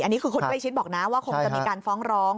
อันนี้คือคนใกล้ชิดบอกนะว่าคงจะมีการฟ้องร้อง